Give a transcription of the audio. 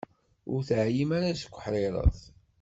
Ur teɛyim ara seg uḥṛiṛet?